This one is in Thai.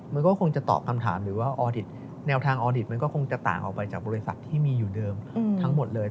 มันก็คงจะตอบคำถามหรือว่าออดิตแนวทางออดิตมันก็คงจะต่างออกไปจากบริษัทที่มีอยู่เดิมทั้งหมดเลย